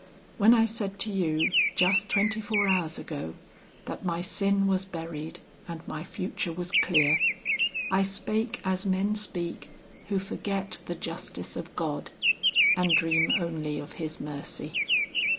When I said to you, just twenty four hours ago, that my sin was buried and my future was clear, I spake as men speak who forget the justice of God and dream only of his mercy.